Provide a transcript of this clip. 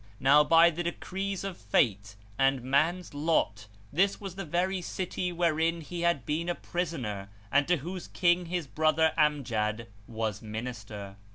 Now by the decrees of Pate and man's lot this was the very city wherein he had been a prisoner and to whose King his brother Amjad was Minister.